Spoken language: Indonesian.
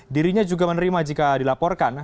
dirinya juga menerima jika dilaporkan